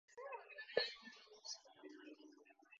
期末資本